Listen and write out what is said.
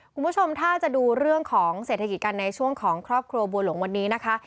คุณผู้ชมถ้าจะดูเรื่องของเศรษฐกิจกันในช่วงของครอบครัวบัวหลวงวันนี้นะคะ